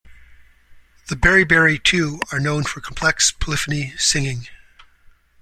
The Beriberi too are known for complex polyphony singing.